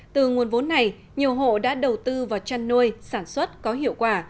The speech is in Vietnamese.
từ nguồn vốn này nhiều hộ đã đầu tư vào chăn nuôi sản xuất có hiệu quả